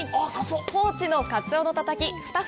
高知のカツオのたたき２節